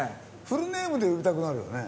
フルネームで呼びたくなるよね。